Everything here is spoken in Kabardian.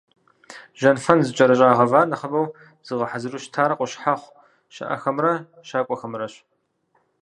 Жьэнфэн зэкӀэрыщӀа гъэвар нэхъыбэу зыгъэхьэзыру щытар къущхьэхъу щыӀэхэмрэ щакӀуэхэмрэщ.